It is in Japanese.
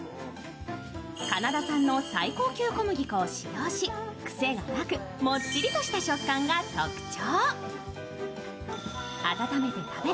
カナダ産の最高級小麦粉を使用し、癖がなく、もっちりとした食感が特徴。